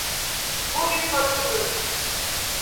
Bu bir soygundur!